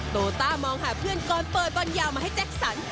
โตต้ามองหาเพื่อนก่อนเปิดบอลยาวมาให้แจ็คสัน